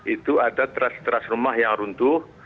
itu ada teras rumah yang runtuh